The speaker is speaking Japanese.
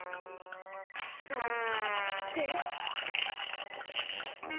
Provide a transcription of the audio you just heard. さあ来て。